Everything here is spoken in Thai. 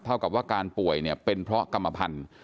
เท่ากับว่าการป่วยเนี่ยเป็นเพราะกรรมพันธุ์